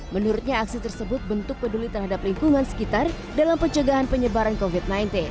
menurutnya aksi tersebut bentuk peduli terhadap lingkungan sekitar dalam pencegahan penyebaran covid sembilan belas